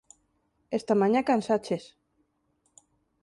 Esta mañá, cansaches.